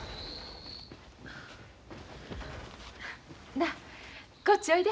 なあこっちおいで。